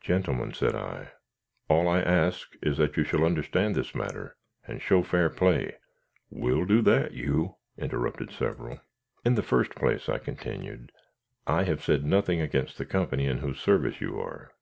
"Gentlemen," said I, "all I ask is that you shall understand this matter and show fair play " "We'll do that, you!" interrupted several. "In the first place," I continued, "I have said nothing against the company in whose service you are.